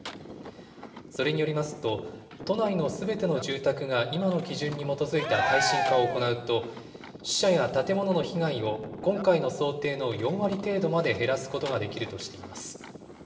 それによりますと、都内のすべての住宅が今の基準に基づいた耐震化を行うと、死者や建物の被害を今回の想定の４割程度まで減らすことができるとしています。